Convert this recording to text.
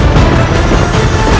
tak mari ke sana